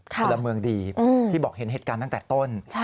พลเมืองดีที่บอกเห็นเหตุการณ์ตั้งแต่ต้น